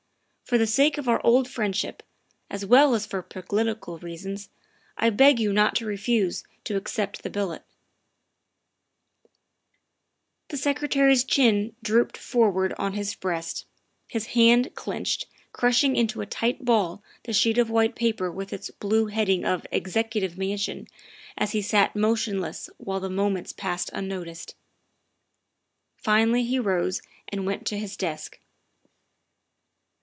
For the sake of our old friendship, as well as for political reasons, I beg you not to refuse to accept the billet." The Secretary's chin dropped forward on his breast, his hand clinched, crushing into a tight ball the sheet of white paper with its blue heading of " Executive Mansion " as he sat motionless while the moments passed unnoticed. Finally he rose and went to his desk.